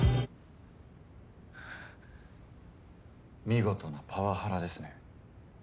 見事なパワハラですね。